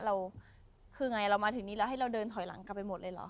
เราคือไงเรามาถึงนี้แล้วให้เราเดินถอยหลังกลับไปหมดเลยเหรอ